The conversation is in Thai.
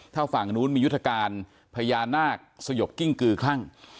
ถ้าฝั่งนู้นมียุทธการพญานาคสยบกิ้งกือคลั่ง